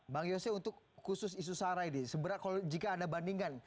bang yose untuk khusus isu sarai di sebenarnya kalau jika ada bandingan